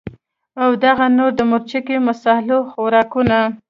او دغسې نور د مرچکي مصالو خوراکونه